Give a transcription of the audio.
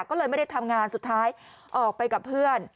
ก็เลยไม่ได้ทำงานสุดท้ายออกไปกับเพื่อน